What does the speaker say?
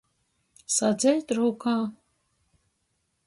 Sadzeit rūkā.